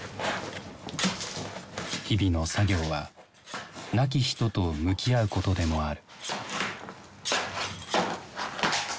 日々の作業は亡き人と向き合うことでもある。